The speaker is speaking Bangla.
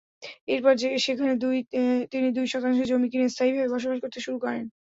এরপর সেখানে তিনি দুই শতাংশ জমি কিনে স্থায়ীভাবে বসবাস করতে শুরু করেন।